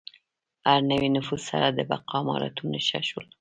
هر نوي نفوذ سره د بقا مهارتونه ښه شول.